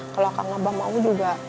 kalau aka ngewok mau juga